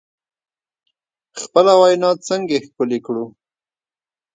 خپله وینا څنګه ښکلې کړو؟